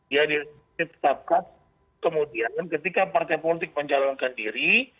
ya ditetapkan kemudian ketika partai politik mencalonkan diri